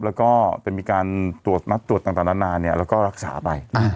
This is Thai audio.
แล้วก็จะมีการตรวจมัดตรวจต่างนานาแล้วก็รักษาไป